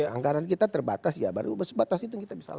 anggaran kita terbatas ya baru sebatas itu yang kita bisa lakukan